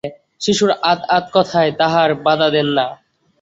শিশুর আধ-আধ কথায় তাঁহারা বাধা দেন না।